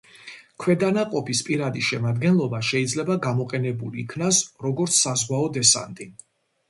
ქვედანაყოფის პირადი შემადგენლობა შეიძლება გამოყენებულ იქნას როგორც საზღვაო დესანტი.